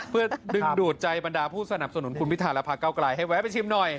เพื่อดึงดูดใจบรรดาผู้สนับสนุนคุณพิธาและพระเก้าไกลให้แวะไปชิมหน่อย